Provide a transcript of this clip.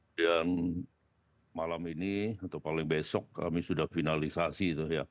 dan malam ini atau paling besok kami sudah finalisasi